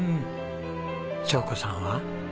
晶子さんは？